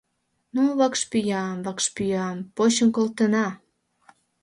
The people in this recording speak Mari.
Ну, вакшпӱям... вакшпӱям почын колтена...